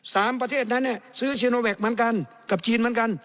ประเทศนั้นเนี่ยซื้อชิโนแวคเหมือนกันกับจีนเหมือนกัน